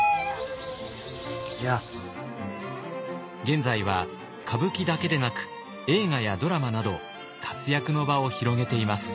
現在は歌舞伎だけでなく映画やドラマなど活躍の場を広げています。